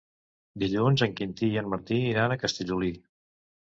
Dilluns en Quintí i en Martí iran a Castellolí.